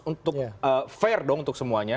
untuk fair dong untuk semuanya